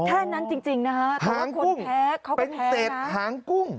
แท่นั้นจริงนะฮะหางกุ้งเป็นเต็ดหางกุ้ง